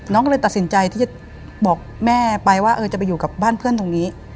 น้องก็เลยตัดสินใจที่จะบอกแม่ไปว่าเออจะไปอยู่กับบ้านเพื่อนตรงนี้